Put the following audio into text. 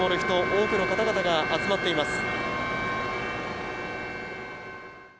多くの方々が集まっています。